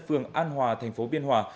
phường an hòa thành phố biên hòa